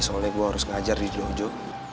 soalnya gue harus ngajar di jojo